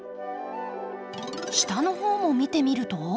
下の方も見てみると。